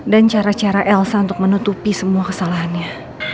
dan cara cara elsa untuk menutupi semua kesalahannya